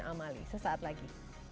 amali sesaat lagi